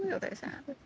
không hiểu tại sao